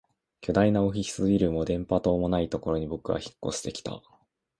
巨大なオフィスビルも電波塔もないところに僕は引っ越してきた